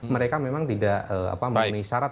mereka memang tidak memenuhi syarat